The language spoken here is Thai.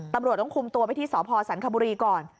ตำรวจต้องคุมตัวไปที่สพสันคบุรีก่อน